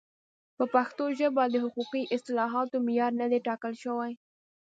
په پښتو ژبه د حقوقي اصطلاحاتو معیار نه دی ټاکل شوی.